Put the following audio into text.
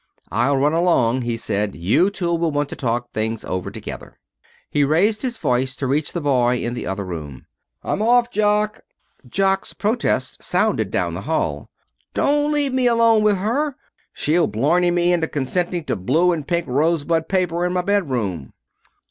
"I'll run along," he said. "You two will want to talk things over together." He raised his voice to reach the boy in the other room. "I'm off, Jock." Jock's protest sounded down the hall. "Don't leave me alone with her. She'll blarney me into consenting to blue and pink rosebud paper in my bedroom."